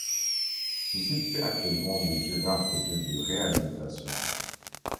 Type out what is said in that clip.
Ce site fait actuellement l'objet d'un projet de réhabilitation.